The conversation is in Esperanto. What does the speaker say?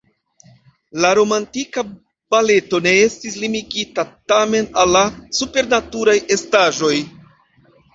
La romantika baleto ne estis limigita, tamen, al la supernaturaj estaĵoj.